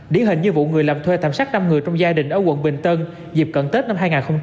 điển hình như vụ người làm thuê thảm sát năm người trong gia đình ở quận bình tân dịp cận tết năm hai nghìn một mươi chín